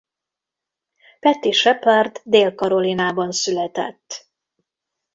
Patty Shepard Dél-Karolinában született.